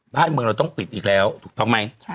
บ้านเมืองเราต้องปิดอีกแล้วถูกต้องไหม